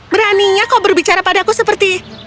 beraninya kau berbicara padaku seperti